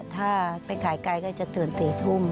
ป้าก็ทำของคุณป้าได้ยังไงสู้ชีวิตขนาดไหนติดตามกัน